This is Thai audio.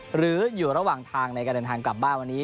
หรืออยู่ระหว่างทางในการเดินทางกลับบ้านวันนี้